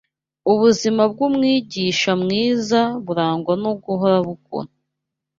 Ubuzima bw’umwigisha mwiza burangwa no guhora bukura